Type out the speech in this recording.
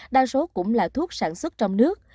đa số cũng là thuốc sản xuất trong nước